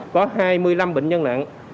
có hai mươi năm bệnh nhân nặng